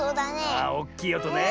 ああおっきいおとね。